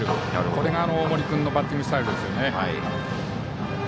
これが大森君のバッティングスタイルですよね。